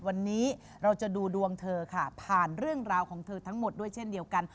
วันนี้เราจะดูดวงเธอค่ะผ่านเรื่องราวของเธอทั้งหมดด้วยเช่นเดียวกัน